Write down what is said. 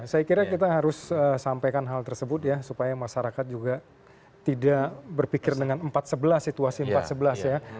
saya kira kita harus sampaikan hal tersebut ya supaya masyarakat juga tidak berpikir dengan empat sebelas situasi empat sebelas ya